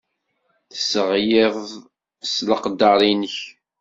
Tesseɣliḍ s leqder-nnek.